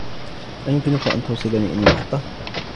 أيمكننك أن توصلني إلى المحطة ؟